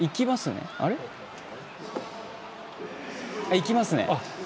いきますね。